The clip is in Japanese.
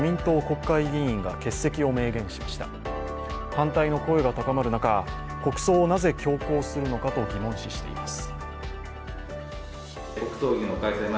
反対の声が高まる中国葬をなぜ強行するのかと疑問視しています。